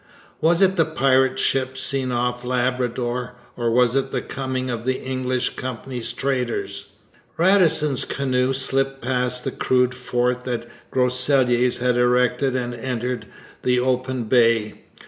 Was it the pirate ship seen off Labrador? or was it the coming of the English Company's traders? Radisson's canoe slipped past the crude fort that Groseilliers had erected and entered the open Bay.